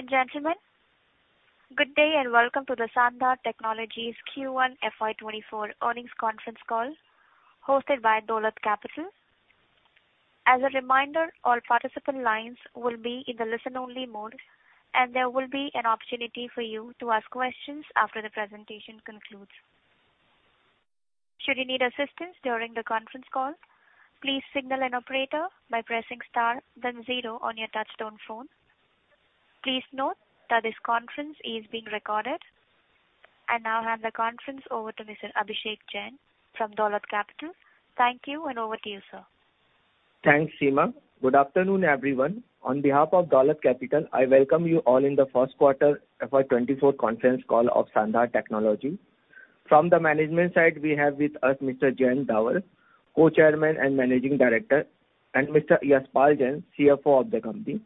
Ladies and gentlemen, good day, and welcome to the Sandhar Technologies Q1 FY 2024 Earnings Conference Call, hosted by Dolat Capital. As a reminder, all participant lines will be in the listen-only mode, and there will be an opportunity for you to ask questions after the presentation concludes. Should you need assistance during the conference call, please signal an operator by pressing star then zero on your touchtone phone. Please note that this conference is being recorded. I now hand the conference over to Mr. Abhishek Jain from Dolat Capital. Thank you, and over to you, sir. Thanks, Seema. Good afternoon, everyone. On behalf of Dolat Capital, I welcome you all in the Q1 of our 2024 Conference Call of Sandhar Technologies. From the management side, we have with us Mr. Jayant Davar, Co-chairman and Managing Director, and Mr. Yashpal Jain, CFO of the company.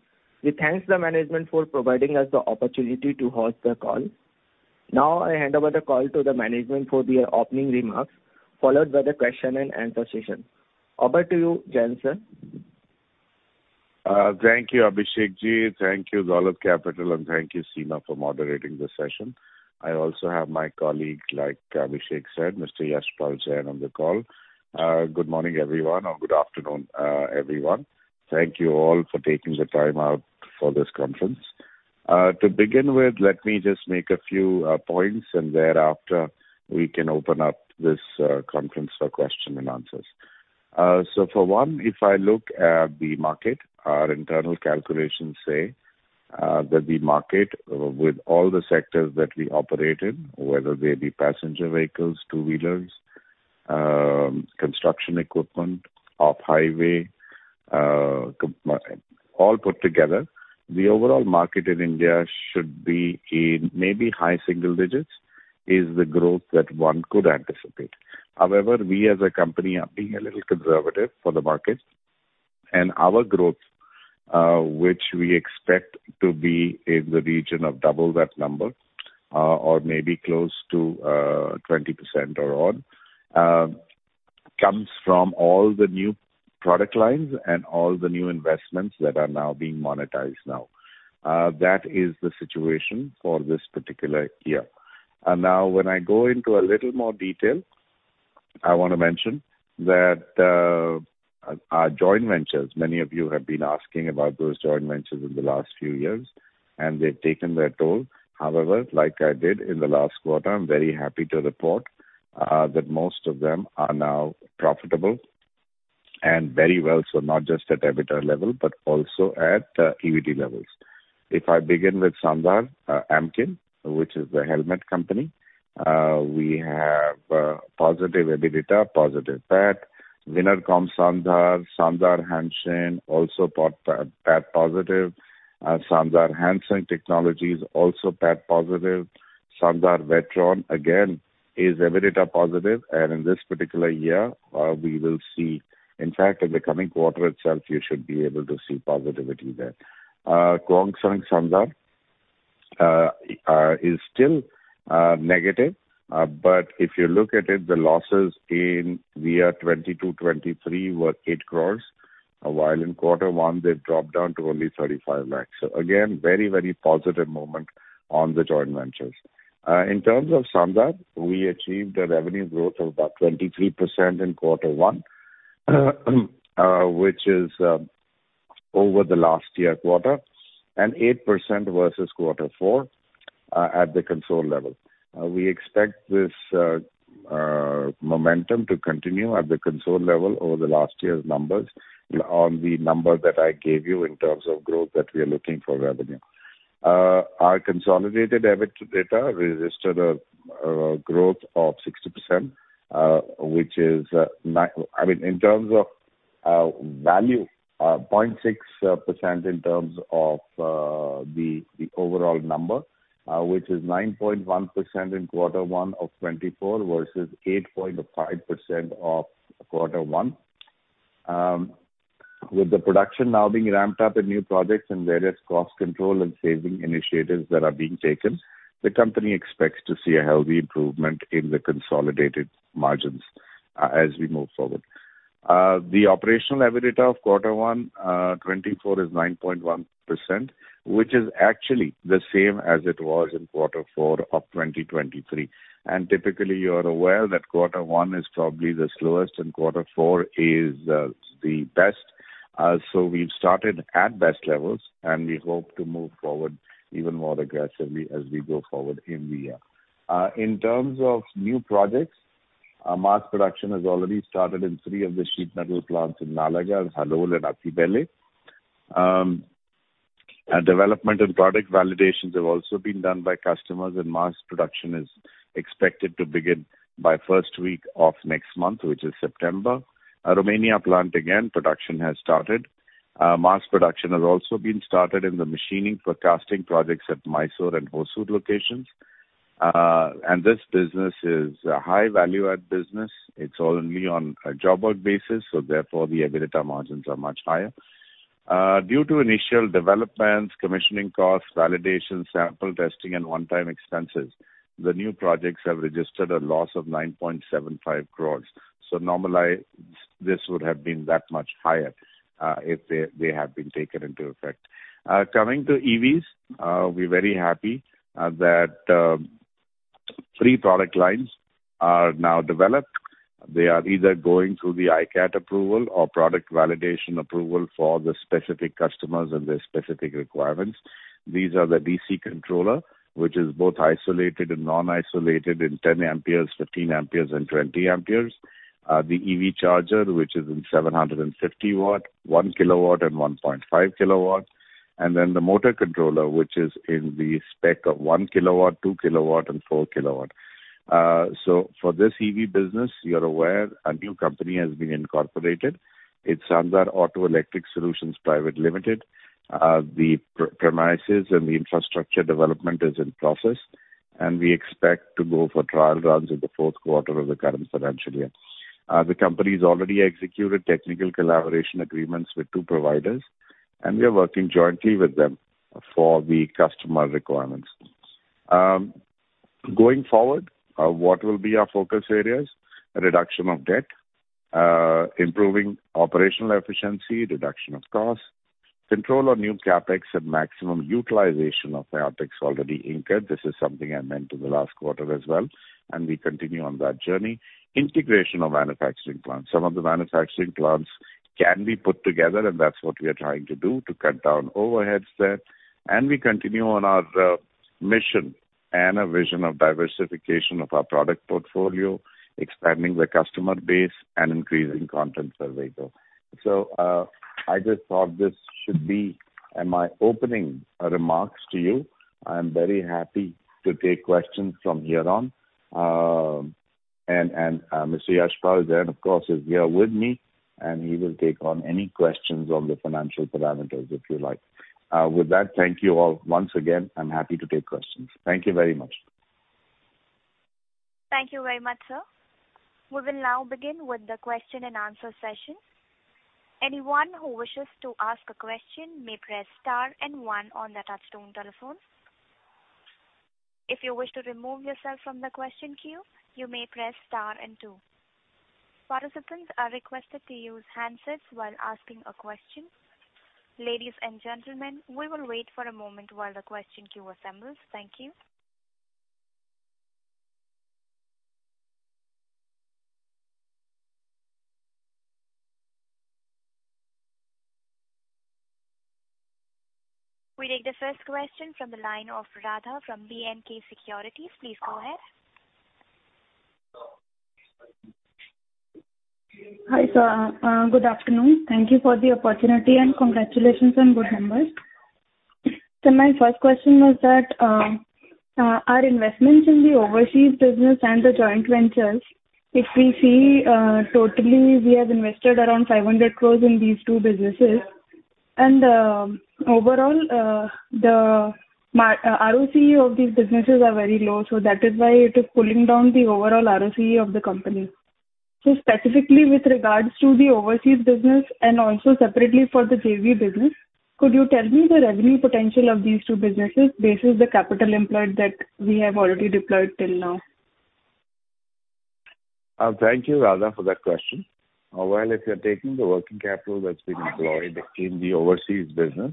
We thank the management for providing us the opportunity to host the call. I hand over the call to the management for their opening remarks, followed by the question and answer session. Over to you, Jayant, sir. Thank you, Abhishek Jain. Thank you, Dolat Capital, and thank you, Seema, for moderating this session. I also have my colleague, like Abhishek said, Mr. Yashpal Jain, on the call. Good morning, everyone, or good afternoon, everyone. Thank you all for taking the time out for this conference. To begin with, let me just make a few points, and thereafter, we can open up this conference for question and answers. For one, if I look at the market, our internal calculations say that the market, with all the sectors that we operate in, whether they be passenger vehicles, two-wheelers, construction equipment, off-highway, all put together, the overall market in India should be in maybe high single digits, is the growth that one could anticipate. However, we as a company are being a little conservative for the market, and our growth, which we expect to be in the region of double that number, or maybe close to 20% or odd, comes from all the new product lines and all the new investments that are now being monetized now. That is the situation for this particular year. Now, when I go into a little more detail, I wanna mention that our joint ventures, many of you have been asking about those joint ventures in the last few years, and they've taken their toll. However, like I did in the last quarter, I'm very happy to report that most of them are now profitable and very well, so not just at EBITDA level, but also at EBIT levels. If I begin with Sandhar Amkin, which is the helmet company, we have positive EBITDA, positive PAT. Winnercom Sandhar, Sandhar Hanshin also brought PAT positive. Sandhar Hansung Technologies, also PAT positive. Sandhar Vectron, again, is EBITDA positive, and in this particular year, we will see... In fact, in the coming quarter itself, you should be able to see positivity there. Kwangsung Sandhar is still negative, but if you look at it, the losses in year 2022, 2023 were 8 crore, while in quarter one, they've dropped down to only 35 lakh. Again, very, very positive moment on the joint ventures. In terms of Sandhar, we achieved a revenue growth of about 23% in quarter one, which is over the last year quarter, and 8% versus quarter four, at the console level. We expect this momentum to continue at the consolidated level over the last year's numbers on the number that I gave you in terms of growth that we are looking for revenue. Our consolidated EBITDA registered a growth of 60%, which is I mean, in terms of value, 0.6% in terms of the overall number, which is 9.1% in Q1 2024 versus 8.5% of Q1. With the production now being ramped up in new projects and various cost control and saving initiatives that are being taken, the company expects to see a healthy improvement in the consolidated margins as we move forward. The operational EBITDA of Q1 2024 is 9.1%, which is actually the same as it was in Q4 2023. Typically, you're aware that Q1 is probably the slowest, and Q4 is the best. We've started at best levels, and we hope to move forward even more aggressively as we go forward in the year. In terms of new projects, mass production has already started in three of the sheet metal plants in Nalagarh, Halol, and Attibele. Development and product validations have also been done by customers, and mass production is expected to begin by first week of next month, which is September. Our Romania plant, again, production has started. Mass production has also been started in the machining for casting projects at Mysore and Hoskote locations. This business is a high-value-add business. It's only on a job work basis, so therefore, the EBITDA margins are much higher. Due to initial developments, commissioning costs, validation, sample testing, and one-time expenses, the new projects have registered a loss of 9.75 crore. This would have been that much higher if they, they have been taken into effect. Coming to EVs, we're very happy that three product lines are now developed. They are either going through the ICAT approval or product validation approval for the specific customers and their specific requirements. These are the DC controller, which is both isolated and non-isolated in 10 amperes, 15 amperes, and 20 amperes. The EV charger, which is in 750 watt, 1 kW, and 1.5 kWs, and then the motor controller, which is in the spec of 1 kW, 2 kW, and 4 kW. For this EV business, you're aware, a new company has been incorporated. It's Sandhar Auto Electric Solutions Private Limited. The premises and the infrastructure development is in process, and we expect to go for trial runs in the fourth quarter of the current financial year. The company's already executed technical collaboration agreements with 2 providers, and we are working jointly with them for the customer requirements. Going forward, what will be our focus areas? A reduction of debt, improving operational efficiency, reduction of cost, control on new CapEx, and maximum utilization of the OpEx already incurred. This is something I meant in the last quarter as well, and we continue on that journey. Integration of manufacturing plants. Some of the manufacturing plants can be put together, and that's what we are trying to do to cut down overheads there. We continue on our mission and a vision of diversification of our product portfolio, expanding the customer base and increasing content per vehicle. I just thought this should be in my opening remarks to you. I'm very happy to take questions from here on. Mr. Yashpal Jain, of course, is here with me, and he will take on any questions on the financial parameters, if you like. With that, thank you all once again. I'm happy to take questions. Thank you very much. Thank you very much, sir. We will now begin with the question and answer session. Anyone who wishes to ask a question may press star and one on the touchtone telephone. If you wish to remove yourself from the question queue, you may press star and two. Participants are requested to use handsets while asking a question. Ladies and gentlemen, we will wait for a moment while the question queue assembles. Thank you. We take the first question from the line of Radha from B&K Securities. Please go ahead. Hi, sir. Good afternoon. Thank you for the opportunity, and congratulations on good numbers. My first question was that, our investments in the overseas business and the joint ventures, if we see, totally, we have invested around 500 crore in these two businesses. Overall, the ROCE of these businesses are very low, so that is why it is pulling down the overall ROCE of the company. Specifically with regards to the overseas business and also separately for the JV business, could you tell me the revenue potential of these two businesses versus the capital employed that we have already deployed till now? Thank you, Radha, for that question. Well, if you're taking the working capital that's been employed in the overseas business,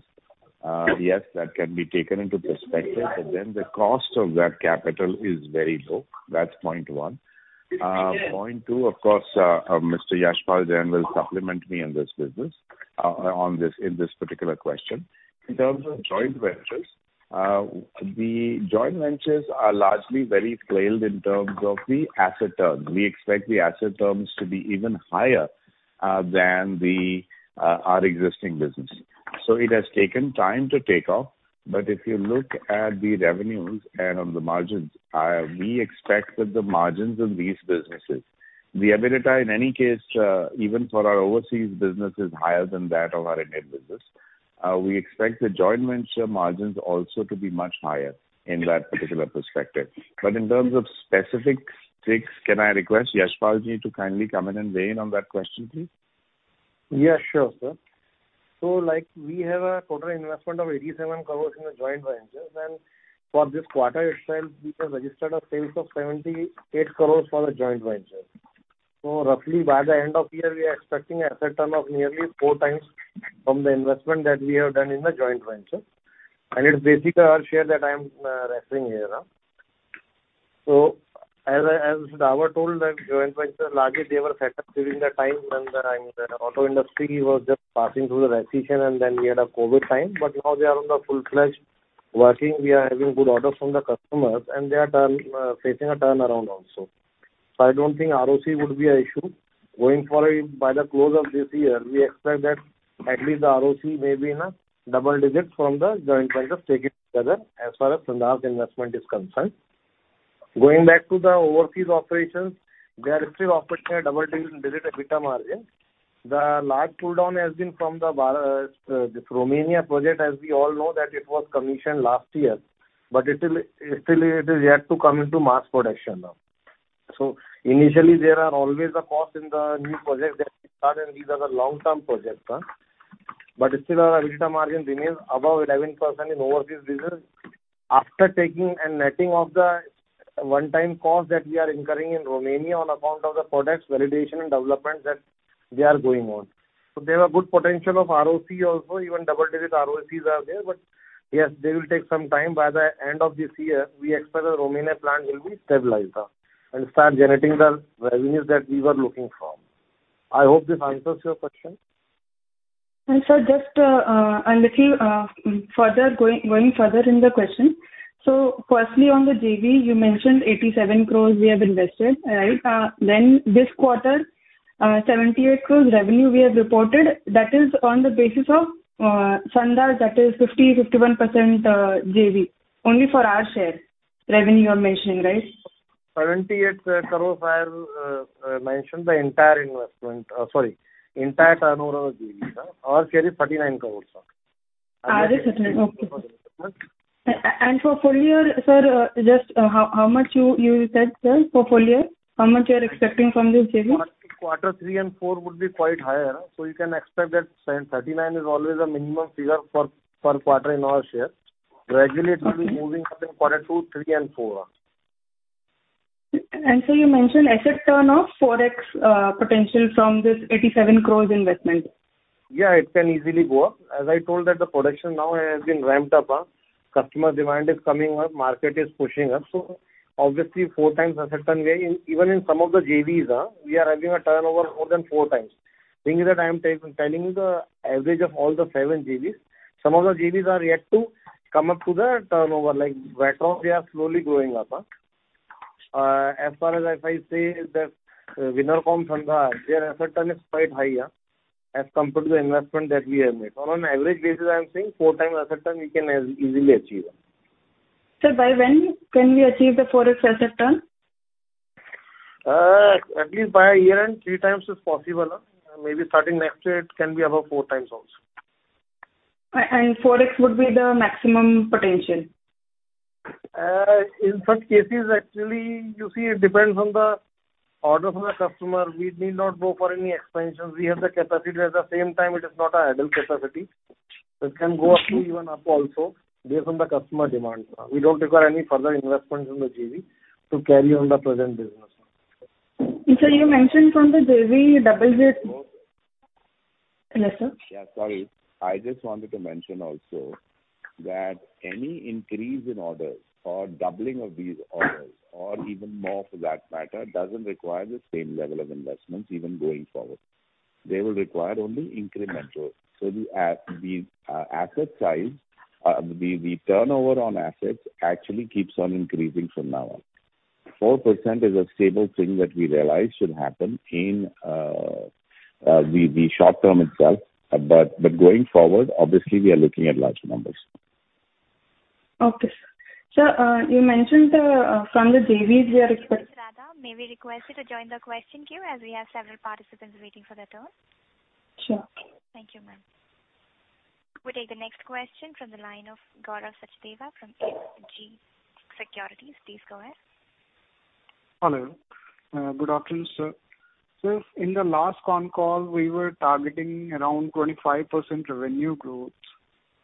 yes, that can be taken into perspective, but then the cost of that capital is very low. That's point one. Point two, of course, Mr. Yashpal Jain will supplement me in this business, on this, in this particular question. In terms of joint ventures, the joint ventures are largely very scaled in terms of the asset term. We expect the asset terms to be even higher than the our existing business. It has taken time to take off. If you look at the revenues and on the margins, we expect that the margins of these businesses, the EBITDA, in any case, even for our overseas business, is higher than that of our Indian business. We expect the joint venture margins also to be much higher in that particular perspective. In terms of specifics, can I request Yashpal Jain to kindly come in and weigh in on that question, please? Yeah, sure, sir. we have a total investment of 87 crore in the joint ventures, and for this quarter itself, we have registered a sales of 78 crore for the joint ventures. roughly by the end of year, we are expecting asset term of nearly four times from the investment that we have done in the joint venture. it's basically our share that I'm referring here now. as, as Davar told that joint venture, largely they were set up during the time when the auto industry was just passing through the recession, and then we had a Covid time, but now they are on the full-fledged working. We are having good orders from the customers, and they are facing a turnaround also. I don't think ROC would be a issue. Going forward, by the close of this year, we expect that at least the ROC may be in double-digits from the joint venture taken together, as far as Sandhar's investment is concerned. The large cool down has been from the bar, the Romania project, as we all know that it was commissioned last year, but it still it is yet to come into mass production now. Initially, there are always a cost in the new project that we start, and these are the long-term projects, but still our EBITDA margin remains above 11% in overseas business after taking and netting off the one-time cost that we are incurring in Romania on account of the products validation and development that they are going on. There are good potential of ROC also, even double-digit ROCs are there. Yes, they will take some time. By the end of this year, we expect the Romania plant will be stabilized and start generating the revenues that we were looking for. I hope this answers your question. Sir, just a little further going, going further in the question. Firstly, on the JV, you mentioned 87 crore we have invested, right? This quarter, 78 crore revenue we have reported, that is on the basis of Sandhar, that is 51% JV, only for our share revenue you are mentioning, right? INR 78 crores are mentioned the entire sorry, entire turnover of JV. Our share is INR 39 crores. Just 39, okay. For full year, sir, just how, how much you, you said, sir, for full year, how much you are expecting from this JV? Quarter three and four would be quite higher. You can expect that 39 is always a minimum figure for, per quarter in our share. Regularly, it will be moving up in quarter two, three and four. Sir, you mentioned asset turn of 4x, potential from this 87 crore investment. Yeah, it can easily go up. As I told that the production now has been ramped up, customer demand is coming up, market is pushing up, obviously 4x asset turn. Even in some of the JVs, we are having a turnover more than 4x. Thing is that I am telling you the average of all the seven JVs. Some of the JVs are yet to come up to the turnover, like Viatrans, they are slowly going up. As far as if I say that Winnercom Sandhar, their asset turn is quite high, as compared to the investment that we have made. On an average basis, I am saying 4x asset turn we can as easily achieve. Sir, by when can we achieve the 4x asset turn? At least by a year end, three times is possible. Maybe starting next year, it can be above four times also. 4x would be the maximum potential? In such cases, actually, you see, it depends on the orders from the customer. We need not go for any expansions. We have the capacity, at the same time, it is not an idle capacity. It can go up, even up also, based on the customer demand. We don't require any further investments in the JV to carry on the present business. Sir, you mentioned from the JV, double digit. Hello, sir? Yeah, sorry. I just wanted to mention also that any increase in orders or doubling of these orders, or even more for that matter, doesn't require the same level of investments even going forward. They will require only incremental. The asset size, the turnover on assets actually keeps on increasing from now on. 4% is a stable thing that we realize should happen in the short term itself, but going forward, obviously, we are looking at larger numbers. Okay, sir. Sir, you mentioned, from the JVs, we are expect- Radha, may we request you to join the question queue, as we have several participants waiting for their turn? Sure. Thank you, ma'am. We'll take the next question from the line of Gaurav Sachdeva from ICICI Securities. Please go ahead. Hello. Good afternoon, sir. Sir, in the last con call, we were targeting around 25% revenue growth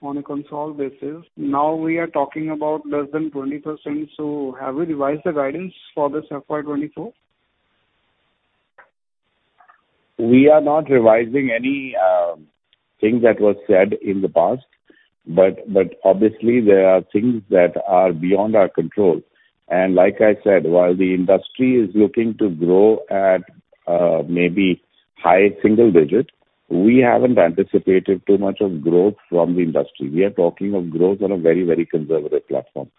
on a console basis. Now, we are talking about less than 20%, so have we revised the guidance for this FY24? We are not revising any things that were said in the past, but, but obviously, there are things that are beyond our control. Like I said, while the industry is looking to grow at maybe high single digits, we haven't anticipated too much of growth from the industry. We are talking of growth on a very, very conservative platform.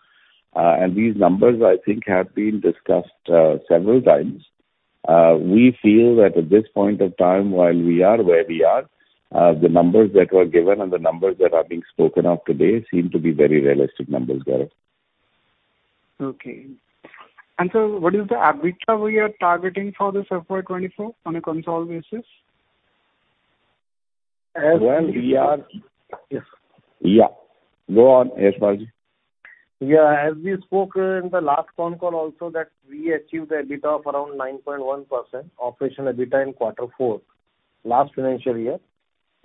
These numbers, I think, have been discussed several times. We feel that at this point of time, while we are where we are, the numbers that were given and the numbers that are being spoken of today seem to be very realistic numbers, Gaurav. Okay. Sir, what is the EBITDA we are targeting for this FY 2024 on a console basis? Well, we. Yes. Yeah, go on, Yashpal Jain. As we spoke in the last con call also, that we achieved the EBITDA of around 9.1%, operational EBITDA in quarter four, last financial year.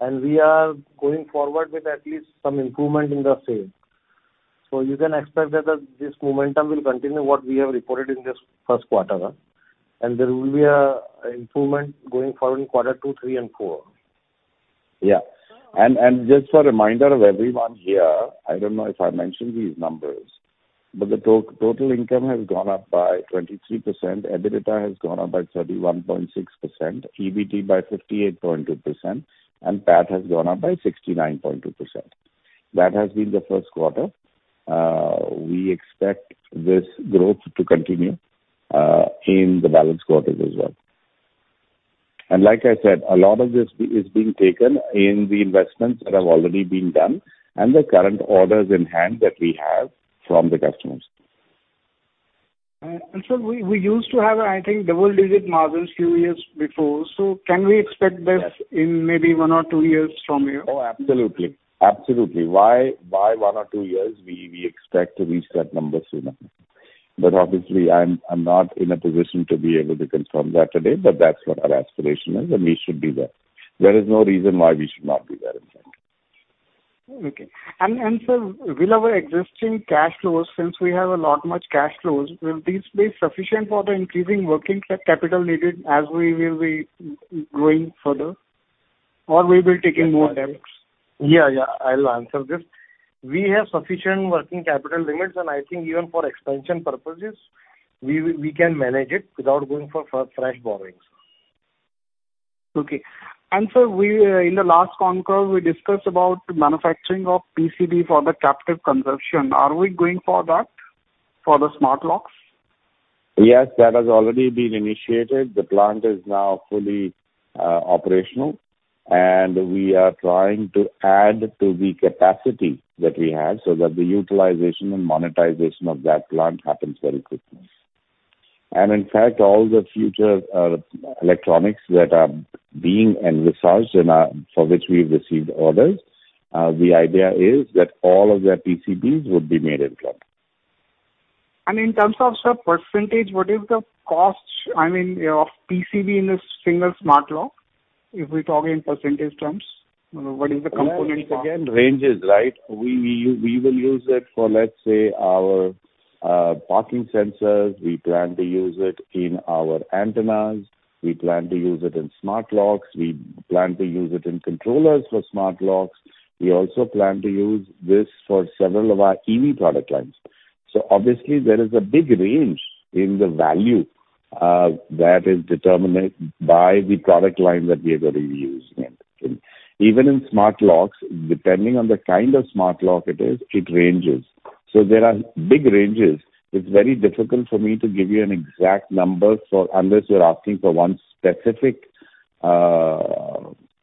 We are going forward with at least some improvement in the same. You can expect that this momentum will continue, what we have reported in this Q1. There will be a improvement going forward in quarter two, three, and four. Yeah. Just for reminder of everyone here, I don't know if I mentioned these numbers, but the total income has gone up by 23%, EBITDA has gone up by 31.6%, EBIT by 58.2%, and PAT has gone up by 69.2%. That has been the Q1. We expect this growth to continue in the balance quarters as well. Like I said, a lot of this is being taken in the investments that have already been done and the current orders in hand that we have from the customers. Sir, we, we used to have, I think, double digit margins few years before, so can we expect this? Yes. In maybe one or two years from here? Oh, absolutely. Absolutely. Why, why one or two years? We, we expect to reach that number sooner. Obviously, I'm, I'm not in a position to be able to confirm that today, but that's what our aspiration is, and we should be there. There is no reason why we should not be there, in fact. Okay. And sir, will our existing cash flows, since we have a lot much cash flows, will these be sufficient for the increasing working capital needed as we will be growing further, or we will be taking more debts? Yeah, yeah, I'll answer this. We have sufficient working capital limits, and I think even for expansion purposes, we can manage it without going for fresh borrowings. Okay. sir, we, in the last ConCall, we discussed about manufacturing of PCB for the captive consumption. Are we going for that for the smart locks? Yes, that has already been initiated. The plant is now fully operational, and we are trying to add to the capacity that we have, so that the utilization and monetization of that plant happens very quickly. In fact, all the future electronics that are being envisaged and are, for which we've received orders, the idea is that all of their PCBs would be made in-plant. In terms of, sir, percentage, what is the cost, I mean, of PCB in a 1 smart lock? If we talk in percentage terms, what is the component cost? Well, it again ranges, right? We, we, we will use it for, let's say, our, parking sensors. We plan to use it in our antennas. We plan to use it in smart locks. We plan to use it in controllers for smart locks. We also plan to use this for several of our EV product lines. Obviously, there is a big range in the value, that is determined by the product line that we are going to use. Even in smart locks, depending on the kind of smart lock it is, it ranges. There are big ranges. It's very difficult for me to give you an exact number, so unless you're asking for one specific,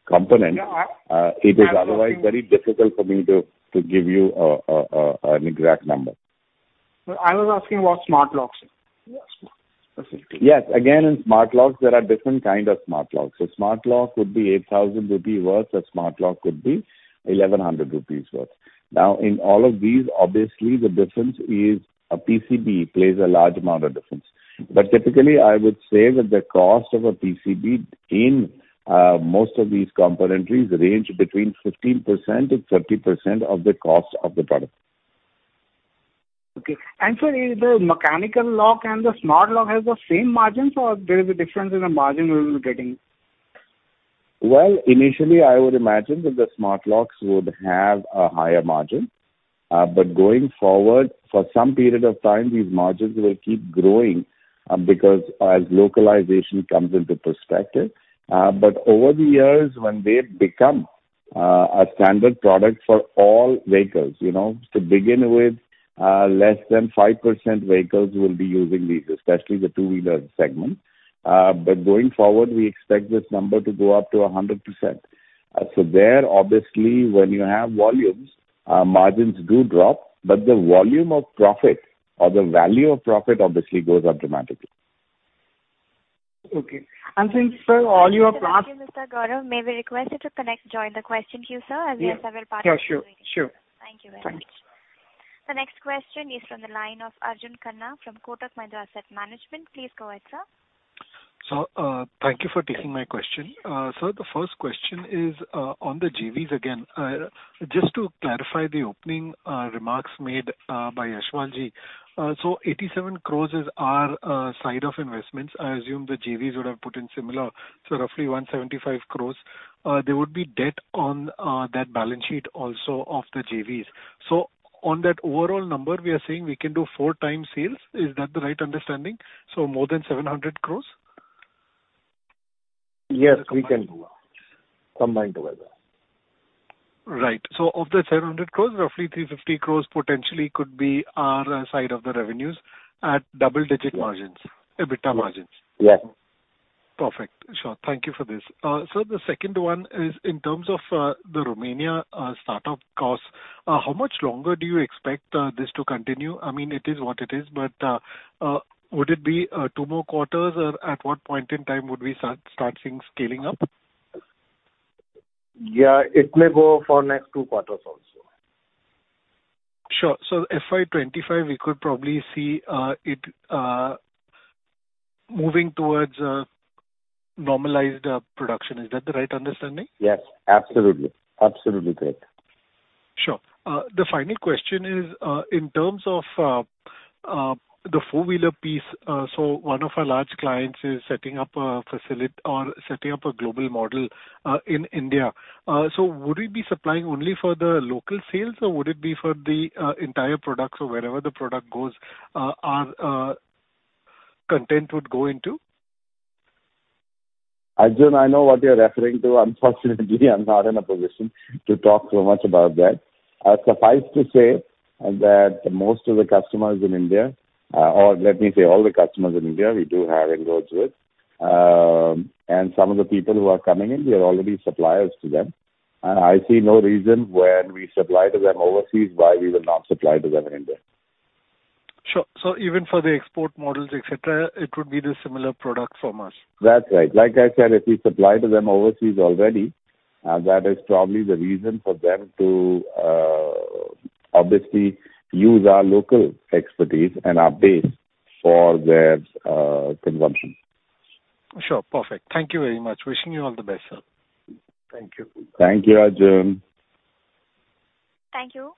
component. Yeah. It is otherwise very difficult for me to, to give you a, a, a, an exact number. Sir, I was asking about smart locks. Yes. Yes, again, in smart locks, there are different kind of smart locks. Smart lock could be 8,000 rupee worth. A smart lock could be 1,100 rupees worth. Now, in all of these, obviously, the difference is a PCB plays a large amount of difference. Typically, I would say that the cost of a PCB in most of these componentries range between 15%-30% of the cost of the product. Okay. sir, is the mechanical lock and the Smart Lock has the same margins, or there is a difference in the margin we will be getting? Well, initially, I would imagine that the smart locks would have a higher margin. Going forward, for some period of time, these margins will keep growing, because as localization comes into perspective. Over the years, when they become a standard product for all vehicles, you know, to begin with, less than 5% vehicles will be using these, especially the two-wheeler segment. Going forward, we expect this number to go up to 100%. So there, obviously, when you have volumes, margins do drop, but the volume of profit or the value of profit obviously goes up dramatically. Okay. Since, sir, all your products- Thank you, Mr. Gaurav. May we request you to connect, join the question queue, sir, as we have several parties. Yeah, sure. Sure. Thank you very much. Thanks. The next question is from the line of Arjun Khanna from Kotak Mahindra Asset Management. Please go ahead, sir. Thank you for taking my question. Sir, the first question is on the JVs again. Just to clarify the opening remarks made by Yashpalji. 87 crore is our side of investments. I assume the JVs would have put in similar, roughly 175 crore. There would be debt on that balance sheet also of the JVs. On that overall number, we are saying we can do 4x sales. Is that the right understanding? More than 700 crore? Yes, we can do, combined together. Right. Of the 700 crore, roughly 350 crore potentially could be our side of the revenues at double-digit margins, EBITDA margins. Yes. Perfect. Sure. Thank you for this. Sir, the second one is in terms of the Romania start-up costs. How much longer do you expect this to continue? I mean, it is what it is, but would it be two more quarters, or at what point in time would we start, start seeing scaling up? Yeah, it may go for next two quarters also. Sure. FY 2025, we could probably see it moving towards a normalized production. Is that the right understanding? Yes, absolutely. Absolutely correct. Sure. The final question is, in terms of, the four-wheeler piece. One of our large clients is setting up a facility or setting up a global model, in India. Would we be supplying only for the local sales, or would it be for the entire product, so wherever the product goes, our content would go into? Arjun, I know what you're referring to. Unfortunately, I'm not in a position to talk so much about that. Suffice to say that most of the customers in India, or let me say, all the customers in India, we do have inroads with, and some of the people who are coming in, we are already suppliers to them, and I see no reason when we supply to them overseas why we will not supply to them in India. Sure. Even for the export models, et cetera, it would be the similar product from us? That's right. Like I said, if we supply to them overseas already, that is probably the reason for them to obviously use our local expertise and our base for their consumption. Sure. Perfect. Thank you very much. Wishing you all the best, sir. Thank you. Thank you, Arjun. Thank you.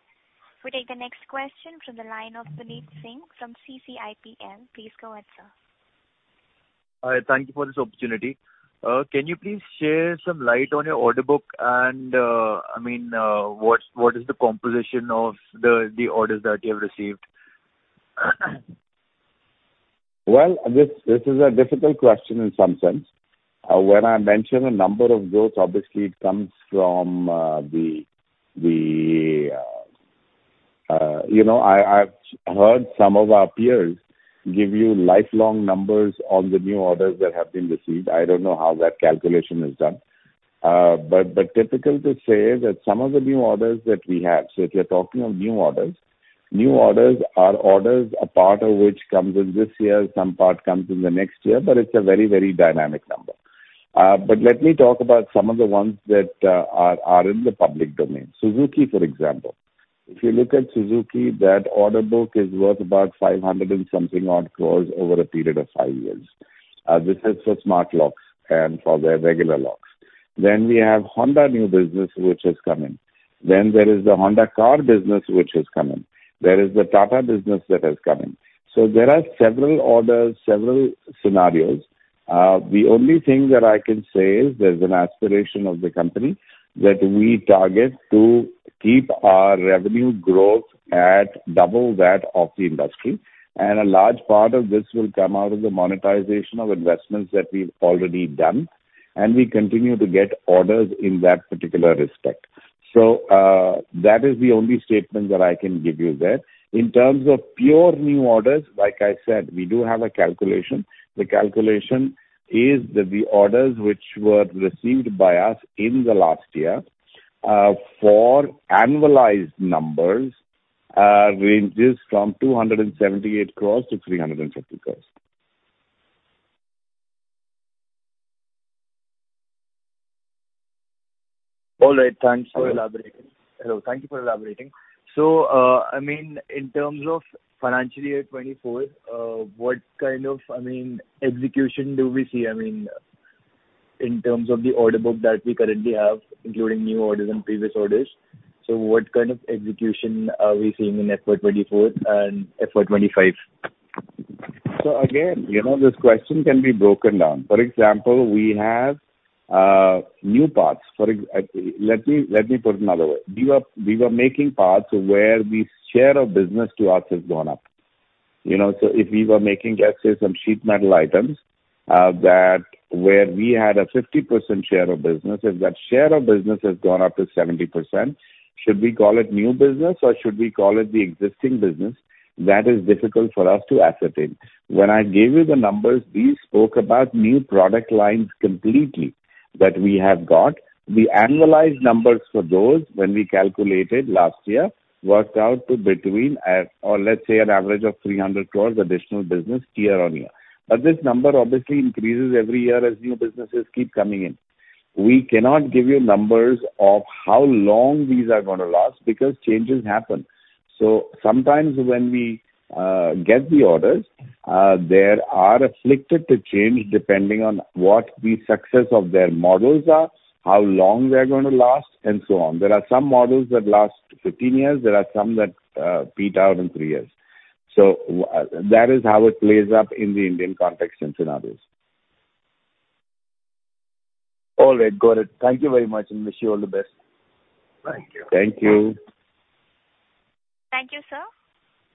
We take the next question from the line of Puneet Singh from CCIPL. Please go ahead, sir. Hi, thank you for this opportunity. Can you please share some light on your order book and, I mean, what, what is the composition of the, the orders that you have received? Well, this, this is a difficult question in some sense. When I mention a number of those, obviously it comes from the, the, you know, I, I've heard some of our peers give you lifelong numbers on the new orders that have been received. I don't know how that calculation is done. difficult to say that some of the new orders that we have... If you're talking of new orders, new orders are orders, a part of which comes in this year, some part comes in the next year, but it's a very, very dynamic number. Let me talk about some of the ones that are in the public domain. Suzuki, for example. If you look at Suzuki, that order book is worth about 500 and something odd crore over a period of five years. This is for smart locks and for their regular locks. We have Honda new business, which is coming. There is the Honda car business, which is coming. There is the Tata business that is coming. There are several orders, several scenarios. The only thing that I can say is, there's an aspiration of the company that we target to keep our revenue growth at double that of the industry. A large part of this will come out of the monetization of investments that we've already done, and we continue to get orders in that particular respect. That is the only statement that I can give you there. In terms of pure new orders, like I said, we do have a calculation. The calculation is that the orders which were received by us in the last year, for annualized numbers, ranges from INR 278 crore-INR 350 crore. All right. Thanks for elaborating. Hello, thank you for elaborating. I mean, in terms of FY 2024, what kind of, I mean, execution do we see, I mean, in terms of the order book that we currently have, including new orders and previous orders? What kind of execution are we seeing in FY 2024 and FY 2025? Again, you know, this question can be broken down. Let me, let me put it another way. We were, we were making parts where the share of business to us has gone up. You know, so if we were making, let's say, some sheet metal items that where we had a 50% share of business, if that share of business has gone up to 70%, should we call it new business or should we call it the existing business? That is difficult for us to ascertain. When I gave you the numbers, we spoke about new product lines completely, that we have got. The annualized numbers for those, when we calculated last year, worked out to between, or let's say an average of 300 crore additional business year on year. This number obviously increases every year as new businesses keep coming in. We cannot give you numbers of how long these are gonna last, because changes happen. Sometimes when we get the orders, there are afflicted to change depending on what the success of their models are, how long they're gonna last, and so on. There are some models that last 15 years, there are some that peter out in 3 years. That is how it plays up in the Indian context and scenarios. All right. Got it. Thank you very much, and wish you all the best. Thank you. Thank you, sir.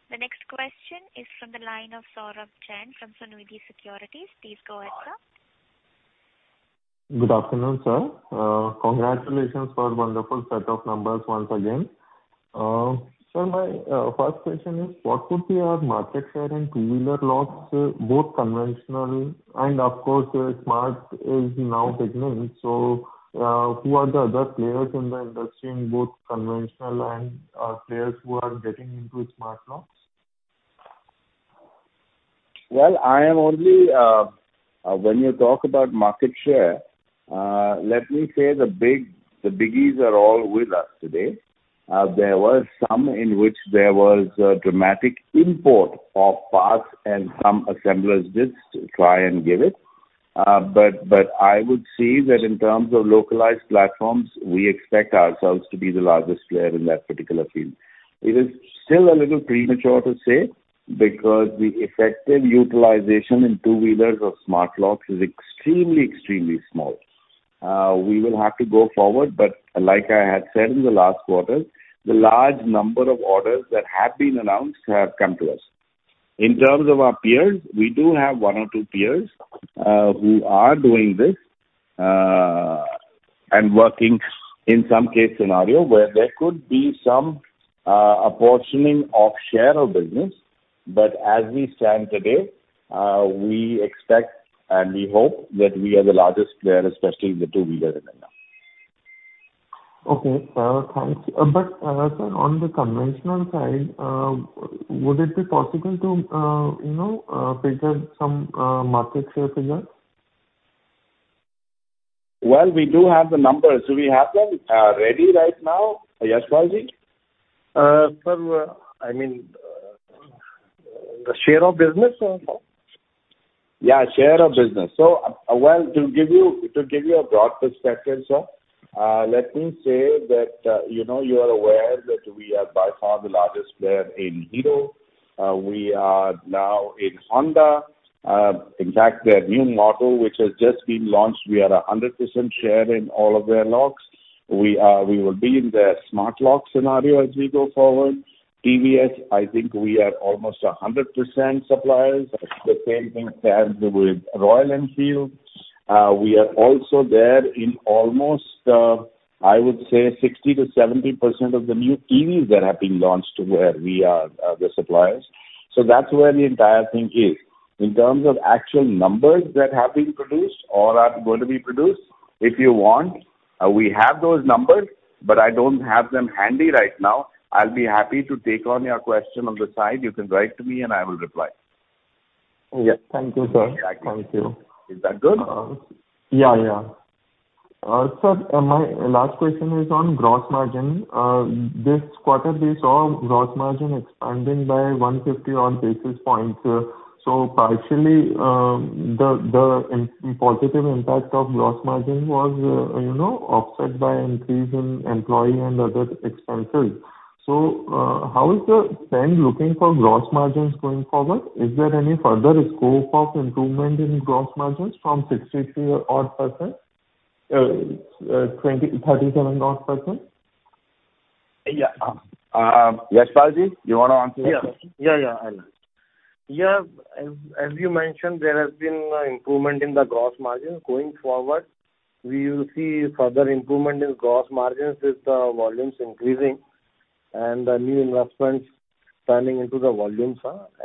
The next question is from the line of Saurabh Chand from Sunidhi Securities. Please go ahead, sir. Good afternoon, sir. Congratulations for wonderful set of numbers once again. Sir, my first question is: What would be our market share in two-wheeler locks, both conventional and of course, smart is now beginning. Who are the other players in the industry in both conventional and players who are getting into smart locks? Well, I am only. When you talk about market share, let me say the biggies are all with us today. There were some in which there was a dramatic import of parts and some assemblers did try and give it. I would say that in terms of localized platforms, we expect ourselves to be the largest player in that particular field. It is still a little premature to say, because the effective utilization in two-wheelers of smart locks is extremely, extremely small. We will have to go forward, but like I had said in the last quarter, the large number of orders that have been announced have come to us. In terms of our peers, we do have one or two peers, who are doing this, and working in some case scenario, where there could be some, apportioning of share of business. As we stand today, we expect and we hope that we are the largest player, especially in the two-wheeler in India. Okay, sir, thanks. Sir, on the conventional side, would it be possible to, you know, present some market share figures? Well, we do have the numbers. Do we have them ready right now, Yashpal Jain? Sir, I mean, the share of business or no? Share of business. Well, to give you, to give you a broad perspective, sir, let me say that, you know, you are aware that we are by far the largest player in Hero. We are now in Honda. In fact, their new model, which has just been launched, we have a 100% share in all of their locks. We are-- We will be in their smart lock scenario as we go forward. TVS, I think we are almost 100% suppliers, the same thing as with Royal Enfield. We are also there in almost, I would say 60%-70% of the new EVs that have been launched, where we are, the suppliers. That's where the entire thing is. In terms of actual numbers that have been produced or are going to be produced, if you want, we have those numbers, but I don't have them handy right now. I'll be happy to take on your question on the side. You can write to me, and I will reply. Yes. Thank you, sir. Exactly. Thank you. Is that good? Yeah, yeah. Sir, my last question is on gross margin. This quarter, we saw gross margin expanding by 150 odd basis points. Partially, the positive impact of gross margin was, you know, offset by increase in employee and other expenses. How is the trend looking for gross margins going forward? Is there any further scope of improvement in gross margins from 63 odd %, 37 odd %? Yeah. Yashpal Jain, you want to answer this question? Yeah. Yeah, yeah, I'll answer. Yeah, as, as you mentioned, there has been improvement in the gross margin. Going forward, we will see further improvement in gross margins with the volumes increasing and the new investments turning into the volumes.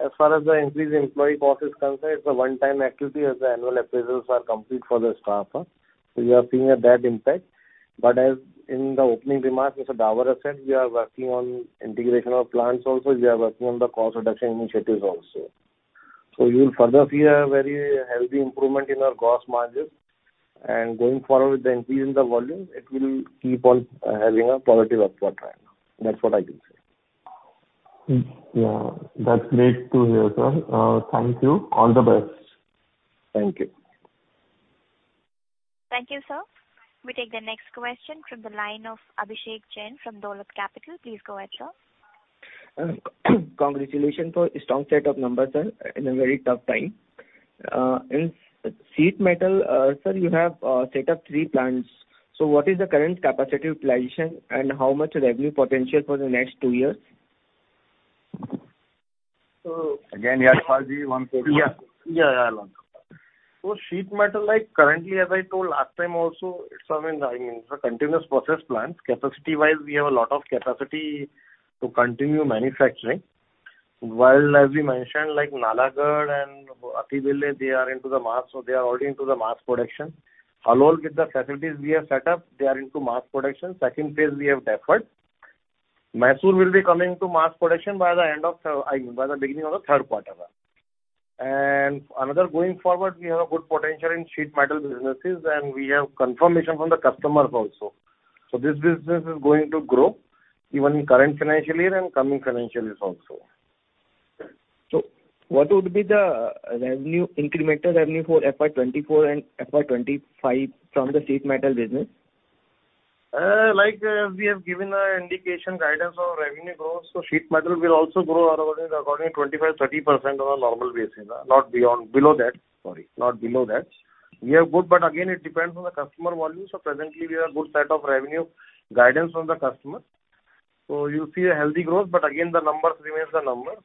As far as the increased employee cost is concerned, it's a one-time activity as the annual appraisals are complete for the staff. We are seeing that impact. As in the opening remarks, Mr. Davar has said, we are working on integration of plants also, we are working on the cost reduction initiatives also. You'll further see a very healthy improvement in our gross margins, and going forward with the increase in the volume, it will keep on having a positive upward trend. That's what I can say. Yeah, that's great to hear, sir. Thank you. All the best. Thank you. Thank you, sir. We take the next question from the line of Abhishek Jain from Dolat Capital. Please go ahead, sir. Congratulations for a strong set of numbers, sir, in a very tough time. In sheet metal, sir, you have set up three plants. What is the current capacity utilization, and how much revenue potential for the next two years? So- Yashpal Jain, want to take this? Yeah. Yeah, I'll answer. Sheet metal, like currently, as I told last time also, it's, I mean, it's a continuous process plant. Capacity-wise, we have a lot of capacity to continue manufacturing. While as we mentioned, like Nalagarh and Attibele, they are into the mass, so they are already into the mass production. Halol, with the facilities we have set up, they are into mass production. Second phase, we have deferred. Mysore will be coming to mass production by the end of, I mean, by the beginning of the Q3. Another, going forward, we have a good potential in sheet metal businesses, and we have confirmation from the customers also. This business is going to grow even in current financial year and coming financial years also. What would be the revenue, incremental revenue for FY 2024 and FY 2025 from the sheet metal business? Like we have given an indication, guidance on revenue growth, sheet metal will also grow according to 25%-30% on a normal basis, not beyond, below that, sorry, not below that. We have good, but again, it depends on the customer volume. Presently, we have a good set of revenue guidance from the customer. You'll see a healthy growth, but again, the numbers remains the numbers.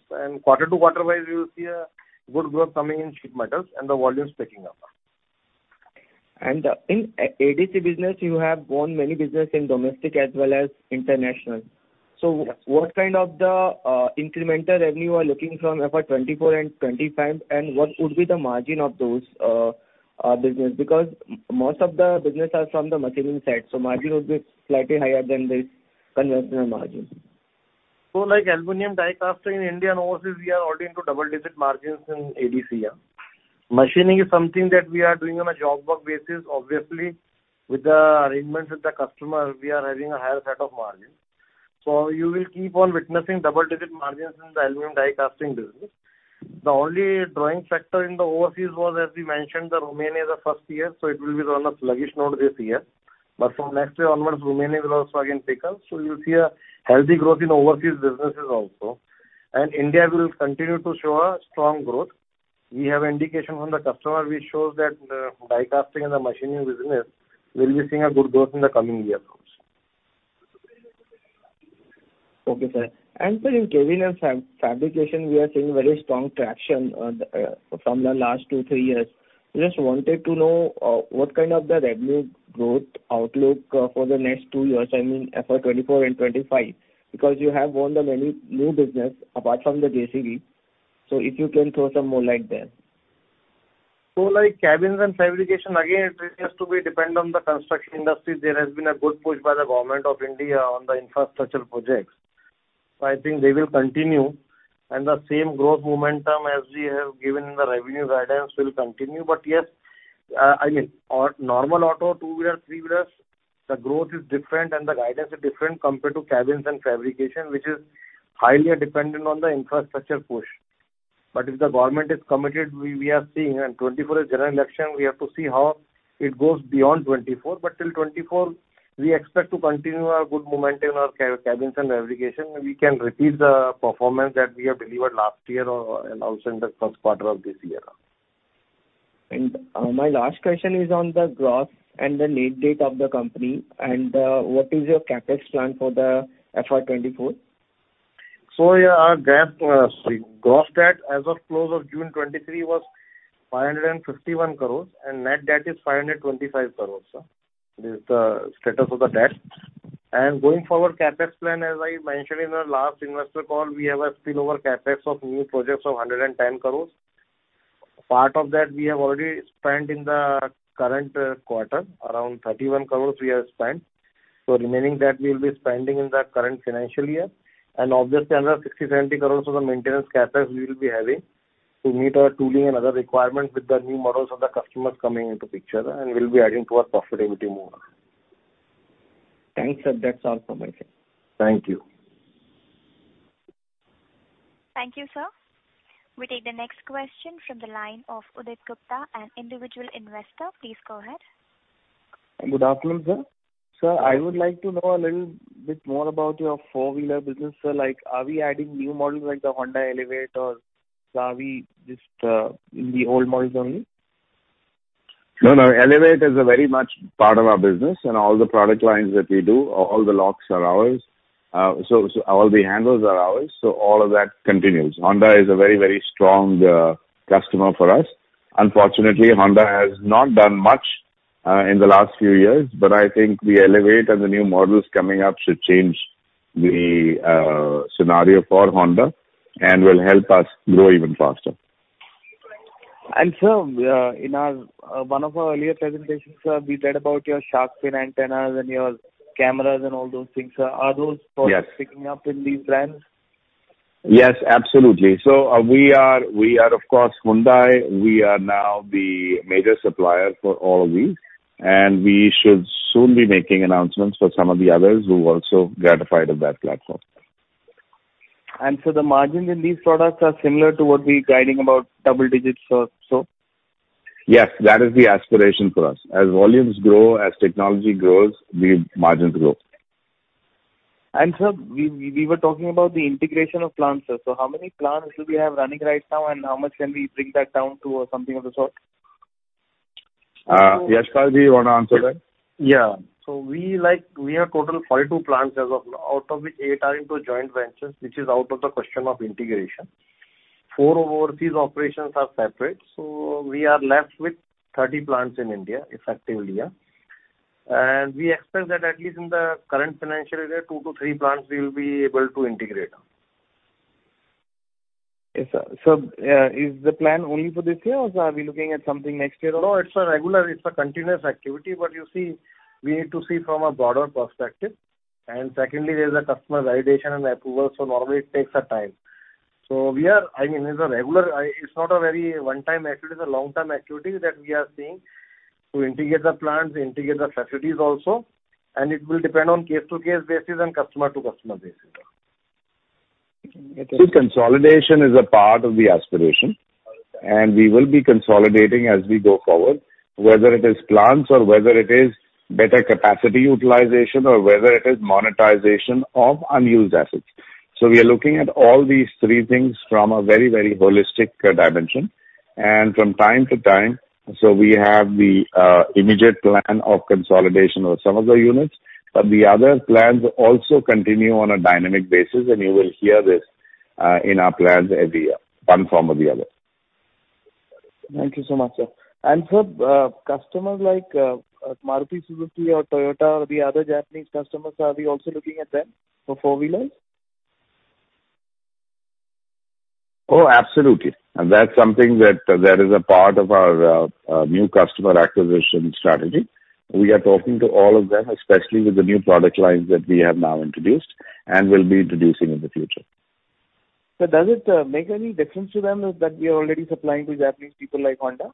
Quarter-to-quarter-wise, you will see a good growth coming in sheet metals and the volumes picking up. In ADC business, you have won many business in domestic as well as international. What kind of the incremental revenue are you looking from FY24 and FY25, and what would be the margin of those business? Because most of the business are from the machining side, so margin would be slightly higher than the conventional margin. Like aluminum die casting in India and overseas, we are already into double-digit margins in ADC. Machining is something that we are doing on a job work basis. Obviously, with the arrangements with the customer, we are having a higher set of margins. You will keep on witnessing double-digit margins in the aluminum die casting business. The only drawing factor in the overseas was, as we mentioned, the Romania, the first year, so it will be on a sluggish note this year. From next year onwards, Romania will also again pick up. You'll see a healthy growth in overseas businesses also. India will continue to show a strong growth. We have indication from the customer which shows that die casting and the machining business will be seeing a good growth in the coming years also. Okay, sir. Sir, in cabin and fab- fabrication, we are seeing very strong traction from the last two, three years. Just wanted to know what kind of the revenue growth outlook for the next two years, I mean, FY 2024 and 2025, because you have won the many new business apart from the JCB. If you can throw some more light there. Like cabins and fabrication, again, it has to be depend on the construction industry. There has been a good push by the Government of India on the infrastructure projects, so I think they will continue, and the same growth momentum as we have given in the revenue guidance will continue. Yes, I mean, our normal auto, two-wheeler, three-wheelers, the growth is different and the guidance is different compared to cabins and fabrication, which is highly dependent on the infrastructure push. If the government is committed, we, we are seeing, and 2024 is general election, we have to see how it goes beyond 2024. Till 2024, we expect to continue our good momentum in our cabins and fabrication. We can repeat the performance that we have delivered last year or, and also in the Q1 of this year. My last question is on the growth and the net debt of the company, what is your CapEx plan for the FY 2024? Yeah, our debt, sorry, gross debt as of close of June 2023 was 551 crore, and net debt is 525 crore. This is the status of the debt. Going forward, CapEx plan, as I mentioned in the last investor call, we have a spillover CapEx of new projects of 110 crore. Part of that we have already spent in the current quarter, around 31 crore we have spent. Remaining that we will be spending in the current financial year. Obviously, another 60 crore-70 crore of the maintenance CapEx we will be having to meet our tooling and other requirements with the new models of the customers coming into picture, and we'll be adding to our profitability more. Thanks, sir. That's all from my side. Thank you. Thank you, sir. We take the next question from the line of Udit Gupta, an individual investor. Please go ahead. Good afternoon, sir. Sir, I would like to know a little bit more about your four-wheeler business, sir. Like, are we adding new models like the Honda Elevate, or are we just, in the old models only? No, no, Elevate is a very much part of our business and all the product lines that we do, all the locks are ours. All the handles are ours, so all of that continues. Honda is a very, very strong customer for us. Unfortunately, Honda has not done much in the last few years, but I think the Elevate and the new models coming up should change the scenario for Honda and will help us grow even faster. Sir, in our, one of our earlier presentations, sir, we read about your shark fin antennas and your cameras and all those things. Sir, are those- Yes. products picking up in these brands? Yes, absolutely. We are, we are, of course, Hyundai. We are now the major supplier for all of these, and we should soon be making announcements for some of the others who also gratified of that platform. So the margins in these products are similar to what we're guiding about double digits or so? Yes, that is the aspiration for us. As volumes grow, as technology grows, the margins grow. Sir, we, we were talking about the integration of plants, sir. How many plants do we have running right now, and how much can we bring that down to or something of the sort? Yashpal, do you want to answer that? Yeah. We have total 42 plants as of now, out of which eight are into joint ventures, which is out of the question of integration. Four overseas operations are separate, so we are left with 30 plants in India, effectively, yeah. We expect that at least in the current financial year, two to three plants we will be able to integrate. Yes, sir. Is the plan only for this year, or are we looking at something next year at all? It's a regular, it's a continuous activity, but you see, we need to see from a broader perspective. Secondly, there's a customer validation and approval, so normally it takes a time. We are, I mean, it's a regular, it's not a very one-time activity, it's a long-term activity that we are seeing to integrate the plants, integrate the facilities also, and it will depend on case-to-case basis and customer-to-customer basis. See, consolidation is a part of the aspiration, and we will be consolidating as we go forward, whether it is plants or whether it is better capacity utilization, or whether it is monetization of unused assets. We are looking at all these three things from a very, very holistic dimension. From time to time, so we have the immediate plan of consolidation of some of the units, but the other plans also continue on a dynamic basis, and you will hear this in our plans every year, one form or the other. Thank you so much, sir. Sir, customers like Maruti Suzuki or Toyota or the other Japanese customers, are we also looking at them for four-wheelers? Oh, absolutely. That's something that, that is a part of our new customer acquisition strategy. We are talking to all of them, especially with the new product lines that we have now introduced and will be introducing in the future. Sir, does it make any difference to them that we are already supplying to Japanese people like Honda?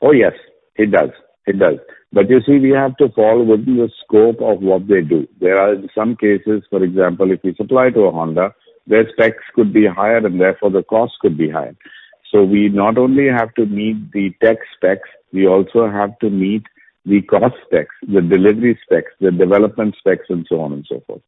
Oh, yes, it does. It does. You see, we have to follow with the scope of what they do. There are some cases, for example, if we supply to a Honda, their specs could be higher and therefore the cost could be higher. We not only have to meet the tech specs, we also have to meet the cost specs, the delivery specs, the development specs and so on and so forth.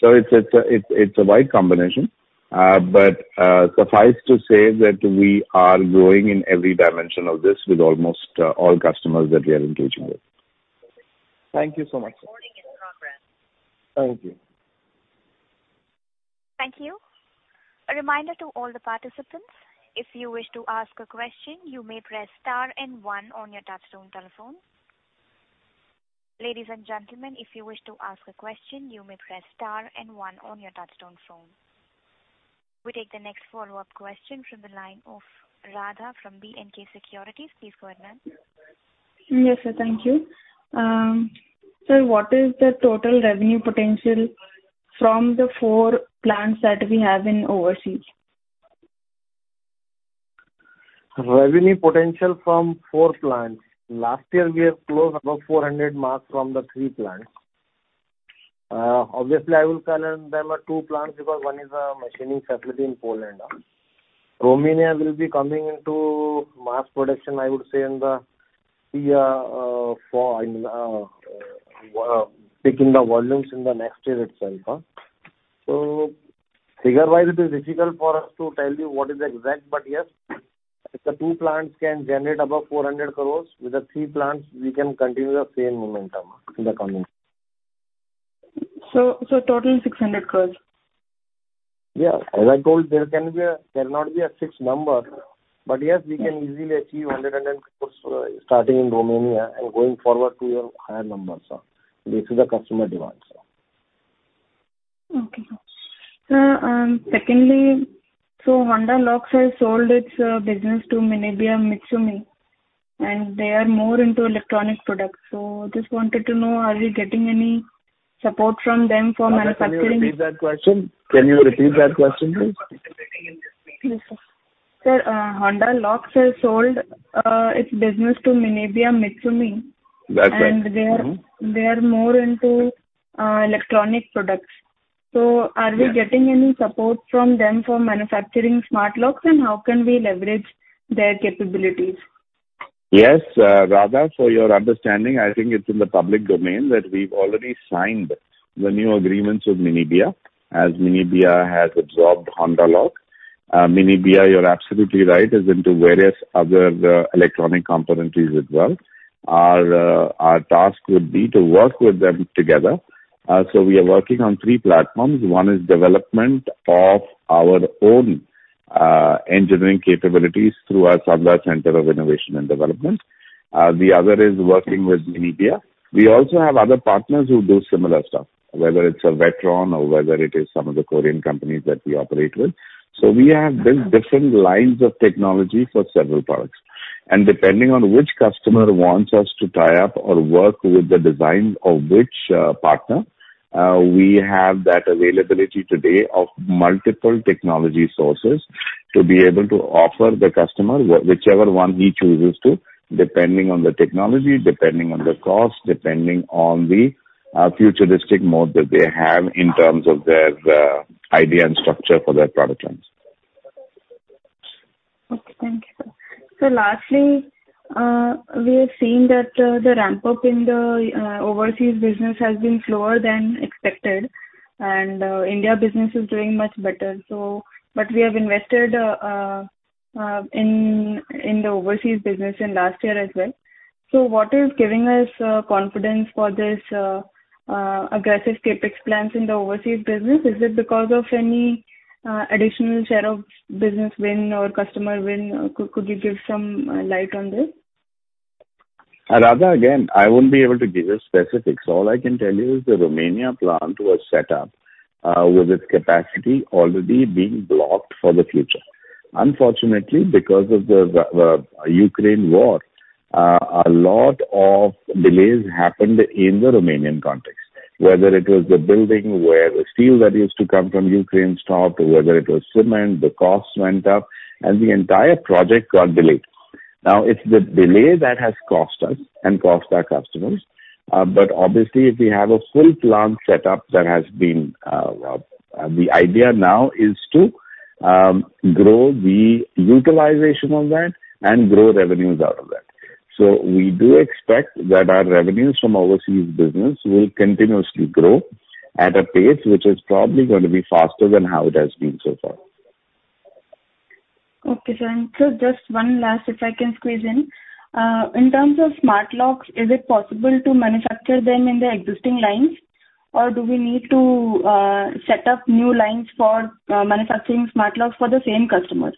It's a, it's, it's a wide combination, suffice to say that we are growing in every dimension of this with almost all customers that we are engaging with. Thank you so much. Thank you. Thank you. A reminder to all the participants, if you wish to ask a question, you may press star and one on your touchtone telephone. Ladies and gentlemen, if you wish to ask a question, you may press star and one on your touchtone phone. We take the next follow-up question from the line of Radha from B&K Securities. Please go ahead, ma'am. Yes, sir. Thank you. Sir, what is the total revenue potential from the four plants that we have in overseas? Revenue potential from four plants. Last year, we have closed above 400 crore mark from the three plants. Obviously, I will count them as two plants because one is a machining facility in Poland. Romania will be coming into mass production, I would say, in the year, for, in, picking the volumes in the next year itself. Figure-wise, it is difficult for us to tell you what is the exact, but yes, if the two plants can generate above 400 crore, with the three plants, we can continue the same momentum in the coming. So total 600 crore? Yeah. As I told, there can be there cannot be a fixed number. Yes, we can easily achieve 110 crore starting in Romania and going forward to your higher numbers. This is the customer demand, so. Okay. Sir, secondly, Honda Lock has sold its business to MinebeaMitsumi Inc., and they are more into electronic products. Just wanted to know, are we getting any support from them for manufacturing? Can you repeat that question? Can you repeat that question, please? Yes, sir. Sir, Honda Lock has sold its business to MinebeaMitsumi Inc. That's right. Mm-hmm. They are, they are more into electronic products. Yes. Are we getting any support from them for manufacturing smart locks, and how can we leverage their capabilities? Yes, Radha, for your understanding, I think it's in the public domain that we've already signed the new agreements with Minebea, as Minebea has absorbed Honda Lock. Minebea, you're absolutely right, is into various other electronic componentries as well. Our task would be to work with them together. We are working on three platforms. One is development of our own engineering capabilities through our Sandhar Centre of Innovation and Development. The other is working with Minebea. We also have other partners who do similar stuff, whether it's a Vetron or whether it is some of the Korean companies that we operate with. We have built different lines of technology for several products, and depending on which customer wants us to tie up or work with the design of which partner, we have that availability today of multiple technology sources to be able to offer the customer wh-whichever one he chooses to, depending on the technology, depending on the cost, depending on the futuristic mode that they have in terms of their idea and structure for their product lines. Okay. Thank you, sir. Lastly, we are seeing that the ramp-up in the overseas business has been slower than expected, and India business is doing much better, so-We have invested in the overseas business in last year as well. What is giving us confidence for this aggressive CapEx plans in the overseas business? Is it because of any additional share of business win or customer win? Could, could you give some light on this? Radha, again, I won't be able to give you specifics. All I can tell you is the Romania plant was set up with its capacity already being blocked for the future. Unfortunately, because of the, the Ukraine war, a lot of delays happened in the Romanian context, whether it was the building where the steel that used to come from Ukraine stopped, or whether it was cement, the costs went up and the entire project got delayed. Now, it's the delay that has cost us and cost our customers, but obviously, we have a full plant set up that has been. The idea now is to grow the utilization of that and grow revenues out of that. We do expect that our revenues from overseas business will continuously grow at a pace which is probably going to be faster than how it has been so far. Okay, sir. Sir, just one last, if I can squeeze in. In terms of smart locks, is it possible to manufacture them in the existing lines, or do we need to set up new lines for manufacturing smart locks for the same customers?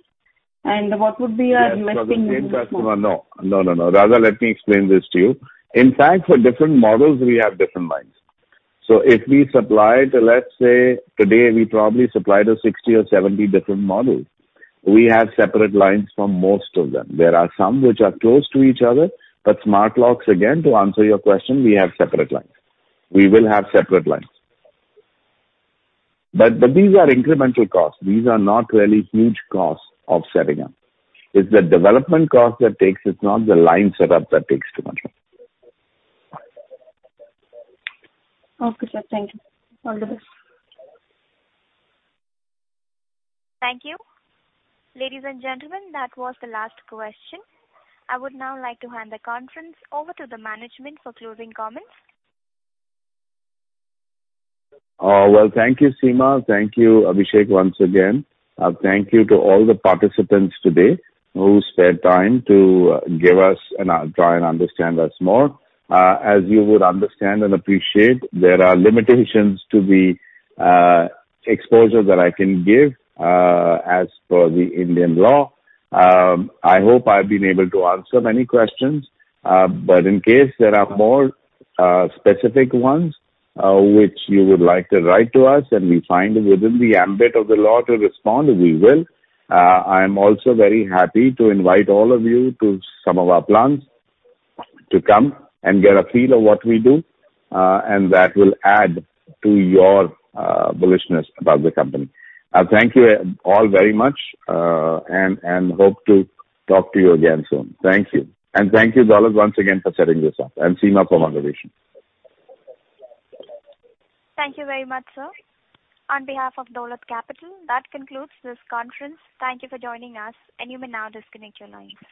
What would be our investing-? For the same customer, no. No, no, no. Radha, let me explain this to you. In fact, for different models, we have different lines. If we supply to, let's say, today, we probably supply to 60 or 70 different models. We have separate lines for most of them. There are some which are close to each other, but smart locks, again, to answer your question, we have separate lines. We will have separate lines. These are incremental costs. These are not really huge costs of setting up. It's the development cost that takes... It's not the line setup that takes too much. Okay, sir. Thank you. All the best. Thank you. Ladies and gentlemen, that was the last question. I would now like to hand the conference over to the management for closing comments. Well, thank you, Seema. Thank you, Abhishek, once again. Thank you to all the participants today who spared time to give us and try and understand us more. As you would understand and appreciate, there are limitations to the exposure that I can give as per the Indian law. I hope I've been able to answer many questions, but in case there are more specific ones, which you would like to write to us and we find within the ambit of the law to respond, we will. I'm also very happy to invite all of you to some of our plants, to come and get a feel of what we do, and that will add to your bullishness about the company. Thank you all very much, and hope to talk to you again soon. Thank you, and thank you, Dolat, once again for setting this up, and Seema for moderation. Thank you very much, sir. On behalf of Dolat Capital, that concludes this conference. Thank you for joining us, and you may now disconnect your lines.